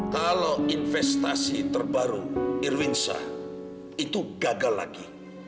kalau investasi terbaru irwin sah itu gagal lagi